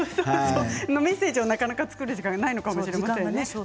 メッセージはなかなか作る時間がないのかもしれないですね。